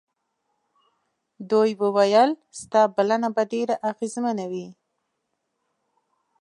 دوی وویل ستا بلنه به ډېره اغېزمنه وي.